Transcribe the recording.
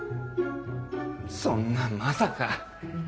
そんなまさか。